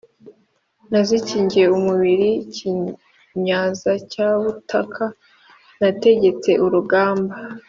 nazikingiye umubiri Kinyanza cya Butaka, nategetse urugamba